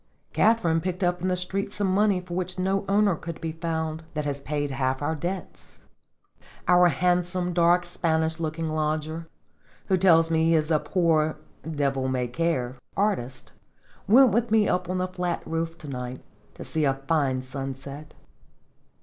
Katharine picked up in the street some money for which no owner could be found, that has paid half our debts. Our handsome, dark, Spanish looking lodger, 43 who tells me he is a poor, "devil may care" artist, went with me up on our flat roof to night, to see a fine sunset.